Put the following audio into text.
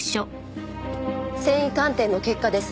繊維鑑定の結果です。